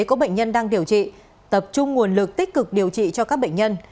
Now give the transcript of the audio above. có bệnh nhân đang điều trị tập trung nguồn lực tích cực điều trị cho các bệnh nhân